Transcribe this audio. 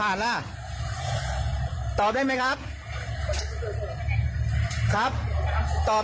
อันนั้นผมไม่รู้แล้วครับ